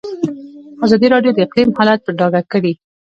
ازادي راډیو د اقلیم حالت په ډاګه کړی.